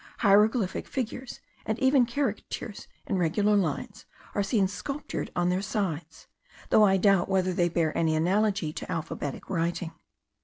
Hieroglyphic figures, and even characters in regular lines, are seen sculptured on their sides; though I doubt whether they bear any analogy to alphabetic writing.